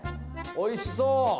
おいしそう。